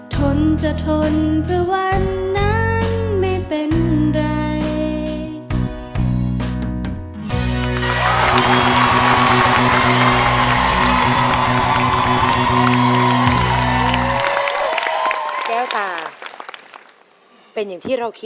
ทนจะทนเพื่อวันนั้นไม่เป็นไร